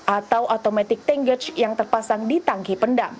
atau automatic tank gauge yang terpasang di tangki pendam